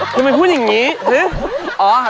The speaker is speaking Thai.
ทำไมพูดอย่างนี้หรือ